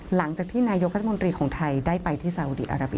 หลังจากที่นายกรัฐมนตรีของไทยได้ไปที่ซาอุดีอาราบิ